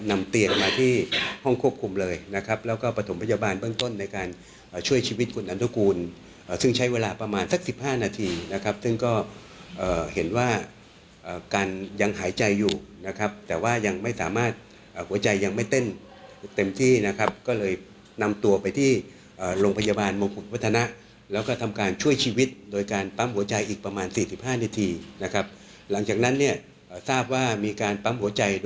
นำเตียงมาที่ห้องควบคุมเลยนะครับแล้วก็ปฐมพยาบาลเบื้องต้นในการช่วยชีวิตคนอันตกูลซึ่งใช้เวลาประมาณสักสิบห้านาทีนะครับซึ่งก็เห็นว่าการยังหายใจอยู่นะครับแต่ว่ายังไม่สามารถหัวใจยังไม่เต้นเต็มที่นะครับก็เลยนำตัวไปที่โรงพยาบาลโมงกุฎพัฒนะแล้วก็ทำการช่วยชีวิตโดยการปั้มหัวใจอ